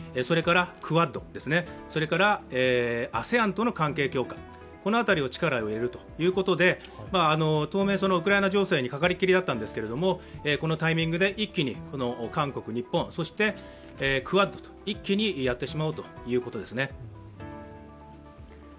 クアッド、ＡＳＥＡＮとの関係強化、この辺りを力を入れるということで当面、ウクライナ情勢にかかりきりだったんですけどこのタイミングで一気に韓国、日本、そして、クアッドと一気にやってしまおうということですね。